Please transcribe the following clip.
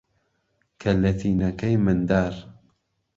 که لهتی نهکهی مندار